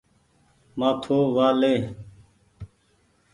مآٿو وآ لي ۔